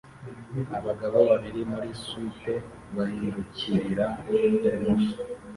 Abagabo babiri muri suite bahindukirira ibumoso